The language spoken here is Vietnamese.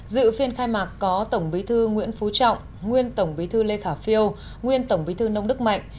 dự phiên khai mạc có tổng bí thư nguyễn phú trọng nguyên tổng bí thư lê khả phiêu nguyên tổng bí thư nông đức mạnh